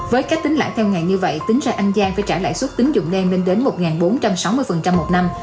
với cách tính lãi theo ngày như vậy tính ra an giang phải trả lãi suất tính dụng đen lên đến một bốn trăm sáu mươi một năm